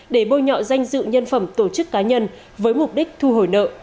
để bôi nhọ danh dự nhân phẩm tổ chức cá nhân với mục đích thu hồi nợ